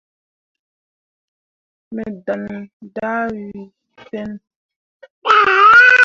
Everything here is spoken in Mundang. Me ɗaŋne dah wii sen.